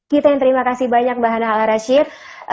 kita yang terima kasih banyak mbak hana al rashid